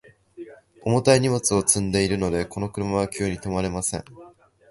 重たい荷物を積んでいるので、この車は急に止まれません。